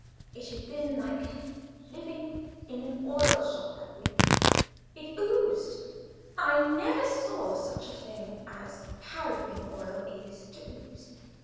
It had been like living in an oil shop that week. It oozed. I never saw such a thing as paraffine oil is to ooze.